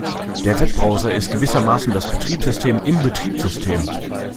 Der Webbrowser ist gewissermaßen das Betriebssystem im Betriebssystem.